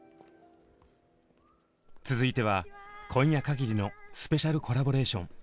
続いては今夜かぎりのスペシャルコラボレーション。